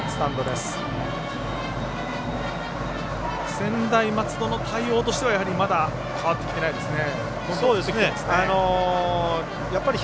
専大松戸の対応としてはまだ変わってきていないですね。